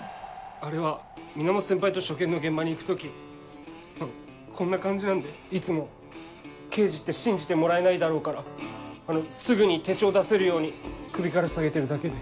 あれは源先輩と初見の現場に行く時こんな感じなんでいつも刑事って信じてもらえないだろうからすぐに手帳を出せるように首から下げてるだけで。